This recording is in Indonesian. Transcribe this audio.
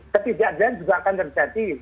ketidakjadian juga akan terjadi